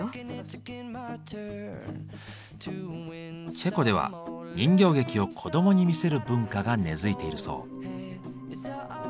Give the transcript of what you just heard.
チェコでは人形劇を子どもに見せる文化が根付いているそう。